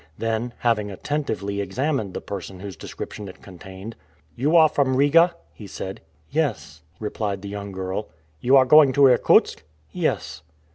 Then, having attentively examined the person whose description it contained: "You are from Riga?" he said. "Yes," replied the young girl. "You are going to Irkutsk?" "Yes."